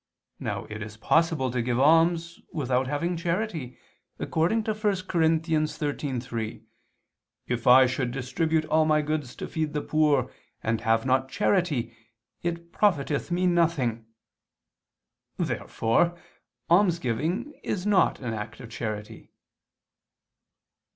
Now it is possible to give alms without having charity, according to 1 Cor. 13:3: "If I should distribute all my goods to feed the poor ... and have not charity, it profiteth me nothing." Therefore almsgiving is not an act of charity.